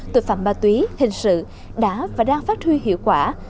tội phạm ma túy hình sự đã và đang phát huy hiệu quả